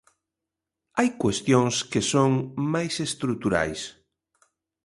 Hai cuestións que son máis estruturais.